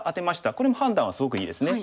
これも判断はすごくいいですね。